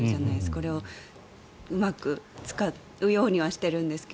これをうまく使うようにはしているんですが。